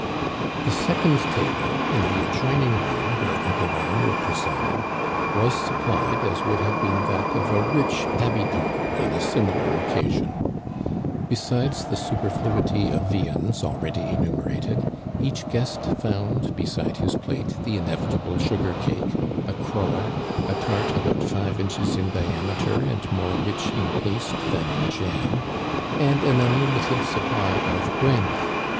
The second table in the adjoining room, where Uncle Raoul presided, was supplied as would, have been that of a rich habitant on a similar occasion. Besides the superfluity of viands already enumerated, each guest Digitized by VjOOQIC I20 ^^^ CANADIANS OF OLD. found beside his plate the inevitable sugar cake, a crul ler, a tart about five inches in diameter and more rich in paste than in jam, and an unlimited supply of brandy.